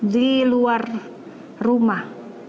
di luar rumah